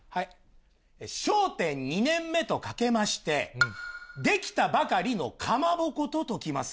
笑点２年目とかけまして、出来たばかりのかまぼことときます。